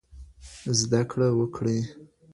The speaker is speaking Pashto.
زده کړه وکړئ.